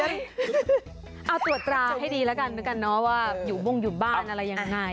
เอาตรวจตราให้ดีแล้วกันนะว่าอยู่มุ่งอยู่บ้านอะไรยังไง